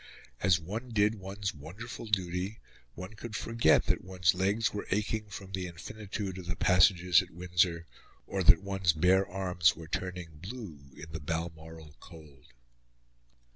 As one did one's wonderful duty one could forget that one's legs were aching from the infinitude of the passages at Windsor, or that one's bare arms were turning blue in the Balmoral cold.